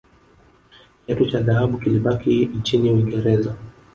kiatu cha dhahabu kilibaki nchini uingereza